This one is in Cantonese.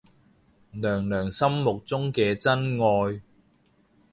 娘娘心目中嘅真愛